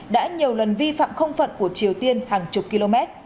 đã nhiều lần vi phạm không phận của triều tiên hàng chục km